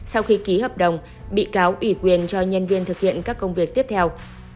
sau khi ký hợp đồng bị cáo ủy quyền cho nhân viên thực hiện các công việc tiếp theo